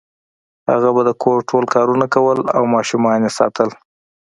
هغه به د کور ټول کارونه کول او ماشومان یې ساتل